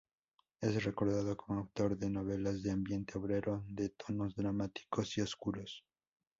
Es recordado como autor de novelas de ambiente obrero de tonos dramáticos y oscuros.